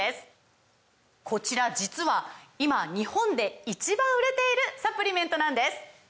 こちら実は今日本で１番売れているサプリメントなんです！